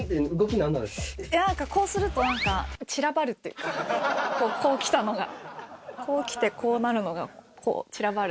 なんかこうすると、なんか、散らばるというか、こうきたのが、こうきてこうなるのが、こう散らばる。